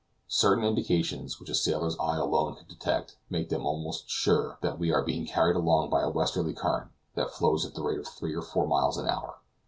Certain indications, which a sailor's eye alone could detect, make them almost sure that we are being carried along by a westerly current, that flows at the rate of three or four miles an hour.